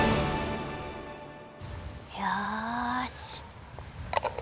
よし。